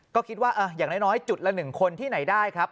ก็คิดว่าอย่างน้อยจุดละ๑คนที่ไหนได้ครับ